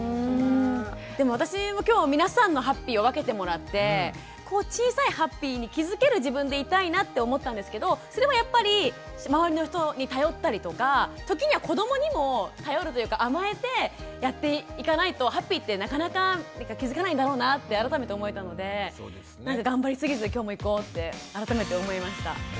でも私も今日皆さんのハッピーを分けてもらってこう小さいハッピーに気付ける自分でいたいなって思ったんですけどそれもやっぱり周りの人に頼ったりとか時には子どもにも頼るというか甘えてやっていかないとハッピーってなかなか気付けないんだろうなぁって改めて思えたのでなんか頑張りすぎず今日もいこうって改めて思いました。